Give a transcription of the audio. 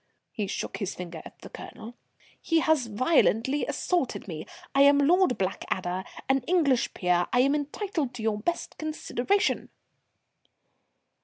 He shook his finger at the Colonel. "He has violently assaulted me. I am Lord Blackadder, an English peer. I am entitled to your best consideration."